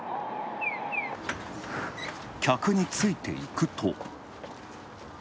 客についていくと。